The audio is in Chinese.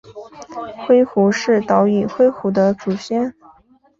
灰狐是岛屿灰狐的祖先。